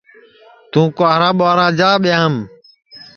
توں کِنٚوارا ٻُورا جا ٻیاںٚم